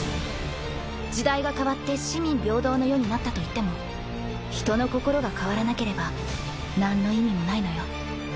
時代が変わって四民平等の世になったといっても人の心が変わらなければ何の意味もないのよ。